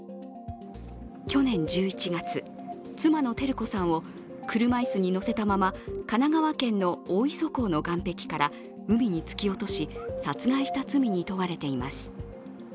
去年１１月、妻の照子さんを車椅子に乗せたまま神奈川県の大磯港の岸壁から海に突き落とし、殺害した罪に問われています。